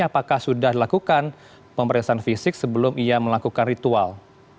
apakah sudah dilakukan pemeriksaan fisik sebelum ia melakukan ritual